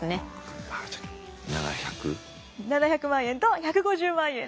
７００万円と１５０万円で。